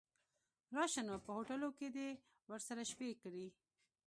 راشه نو په هوټلو کې دې ورسره شپې کړي.